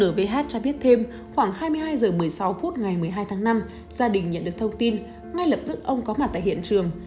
hh cho biết thêm khoảng hai mươi hai h một mươi sáu phút ngày một mươi hai tháng năm gia đình nhận được thông tin ngay lập tức ông có mặt tại hiện trường